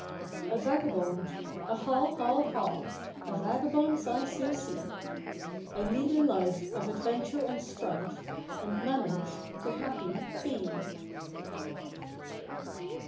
A vagabond,f Aw, haw, haw, haw ! A vagabond sans soucil I lead a life of adventure and strife, And manage to happy be.